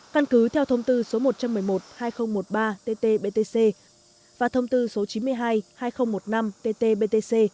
căn cứ theo thông tư số một trăm một mươi một hai nghìn một mươi ba tt btc và thông tư số chín mươi hai hai nghìn một mươi năm tt btc